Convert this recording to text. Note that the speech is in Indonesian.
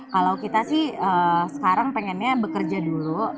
kalau kita sih sekarang pengennya bekerja dulu